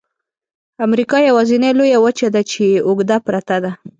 امریکا یوازني لویه وچه ده چې اوږده پرته ده.